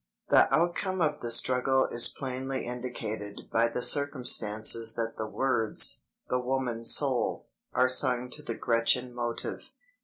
' "The outcome of the struggle is plainly indicated by the circumstance that the words, 'The Woman Soul,' are sung to the Gretchen motive."